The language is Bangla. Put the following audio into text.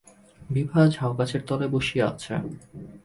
বিভা ঝাউগাছের তলায় বসিয়া আছে।